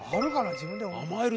自分でも。